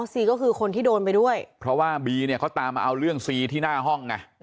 ซีก็คือคนที่โดนไปด้วยเพราะว่าบีเนี่ยเขาตามมาเอาเรื่องซีที่หน้าห้องไง